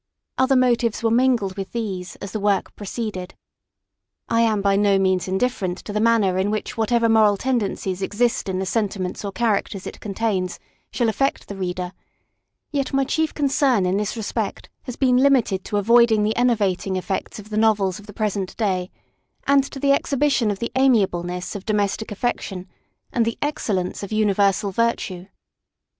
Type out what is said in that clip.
Other motives were mingled with these as the work proceeded. I am by no means indifferent to the manner in which whatever moral tendencies exist in the sentiments or characters it contains shall affect the reader; yet my chief concern in this respect has been limited to the avoiding the enervating effects of the novels of the present day, and to the exhibition of the amiableness of domestic affection, and the excellence of universal virtue.